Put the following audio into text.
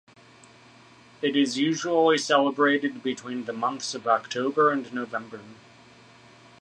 It is usually celebrated between the months of October and November.